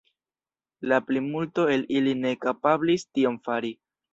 La plimulto el ili ne kapablis tion fari.